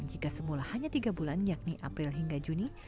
jika semula hanya tiga bulan yakni april hingga juni